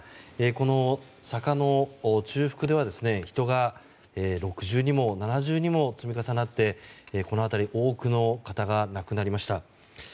この坂の中腹では人が６重にも、７重にも積み重なって、この辺り多くの方が亡くなりました。